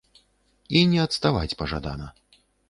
І не адставаць пажадана.